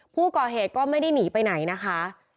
ผู้ก่อเหตุก็ไม่ได้หนีไปไหนนะคะ